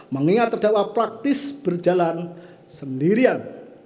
mengingat terdakwa praktis berjalan sendirian